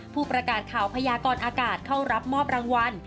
ผู้ประกาศข่าวพยากรอากาศเข้ารับมอบรางวัล